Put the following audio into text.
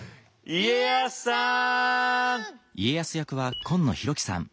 家康さん？